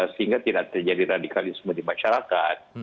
sehingga tidak terjadi radikalisme di masyarakat